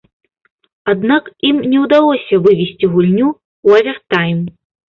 Аднак ім не ўдалося вывесці гульню ў авертайм.